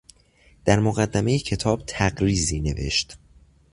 در مقدمهٔ کتاب تقریظی نوشت.